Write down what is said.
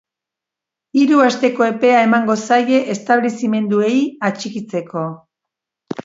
Hiru asteko epea emango zaie establezimenduei atxikitzeko.